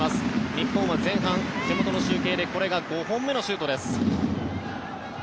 日本は前半、手元の集計でこれが５本目のシュートです。